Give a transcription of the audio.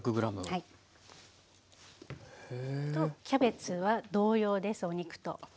キャベツは同様ですお肉と。